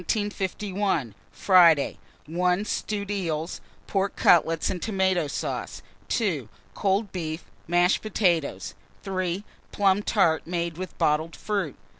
Friday. 1. Stewed eels, pork cutlets and tomato sauce. 2. Cold beef, mashed potatoes. 3. Plum tart made with bottled fruit.